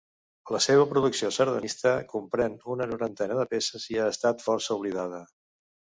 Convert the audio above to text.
La seva producció sardanista comprèn una norantena de peces i ha estat força oblidada.